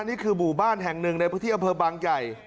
นี่คือหมู่บ้านแห่งหนึ่งในพระเถียงพระบังใหญ่